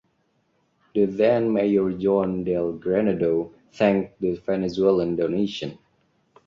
The then mayor Juan del Granado thanked the Venezuelan donation.